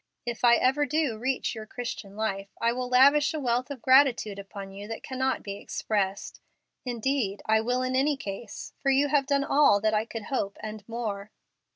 If I ever do reach your Christian life, I will lavish a wealth of gratitude upon you that cannot be expressed. Indeed, I will in any case, for you have done all that I could hope and more."